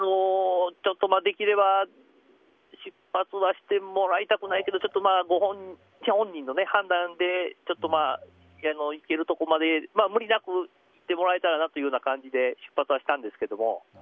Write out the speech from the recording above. できれば出発はしてもらいたいくないけどちょっと本人の判断で行けるところまで無理なく行ってもらえたらなという感じで出発はしたんですが。